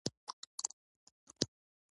دا به رښتیا چېرته وي چې دا سړی ورپسې ګرځي.